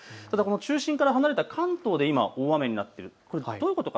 中心から離れた関東で今、大雨になっている。